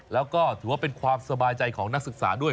แล้วก็ถือว่าเป็นความสบายใจของนักศึกษาด้วย